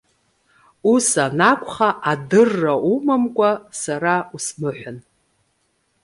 Ус анакәха, адырра умамкәа сара усмыҳәан.